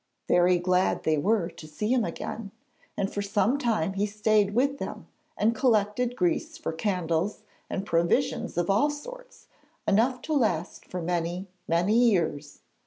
Very glad they were to see him again, and for some time he stayed with them and collected grease for candles and provisions of all sorts, enough to last for many, many years.